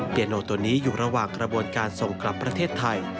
เยโนตัวนี้อยู่ระหว่างกระบวนการส่งกลับประเทศไทย